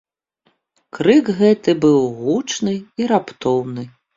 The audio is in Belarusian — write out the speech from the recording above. Крык гэты быў гучны і раптоўны.